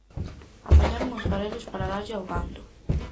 Apañaron uns garelos para darlle ao gando.